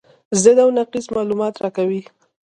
ضد او نقیض معلومات راکوي.